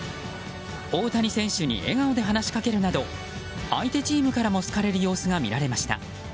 大谷選手に笑顔で話しかけるなど相手チームからも好かれる様子が見られました。